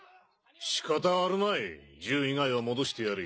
仕方あるまい銃以外は戻してやれ。